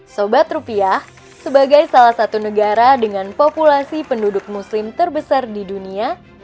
sobat rupiah sebagai salah satu negara dengan populasi penduduk muslim terbesar di dunia